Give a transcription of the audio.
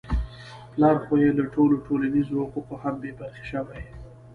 پلار خو يې له ټولو ټولنیزو حقوقو هم بې برخې شوی.